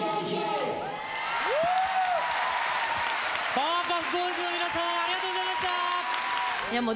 パワーパフボーイズの皆さんありがとうございました！